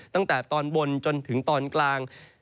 ตั้งแต่ตอนบนจนถึงตอนกลาง